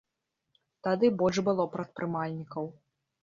Тады больш было прадпрымальнікаў.